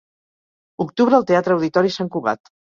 Octubre al Teatre-Auditori Sant Cugat.